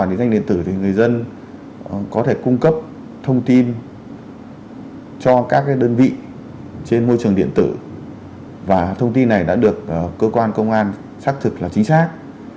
nhiều người dân có thể cung cấp thông tin cho các đơn vị trên môi trường điện tử và thông tin này đã được cơ quan công an xác thực là chính xác